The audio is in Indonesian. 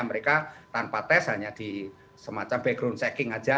mereka tanpa tes hanya di semacam background checking saja